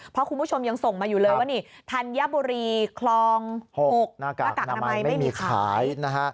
เพราะคุณผู้ชมยังส่งมาอยู่เลยว่านี่ธัญบุรีคลอง๖หน้ากากอนามัยไม่มีขายนะฮะ